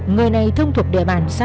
người này thông thuộc địa bàn xa tam bố